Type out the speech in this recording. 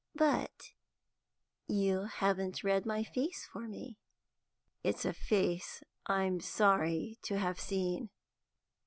"But you haven't read my face for me." "It's a face I'm sorry to have seen."